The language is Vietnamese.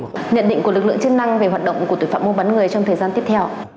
nhận định của lực lượng chức năng về hoạt động của tội phạm mua bán người trong thời gian tiếp theo